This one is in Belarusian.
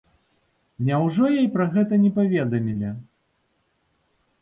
Няўжо ёй пра гэта не паведамілі?